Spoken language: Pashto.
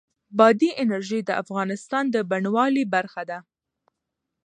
بادي انرژي د افغانستان د بڼوالۍ برخه ده.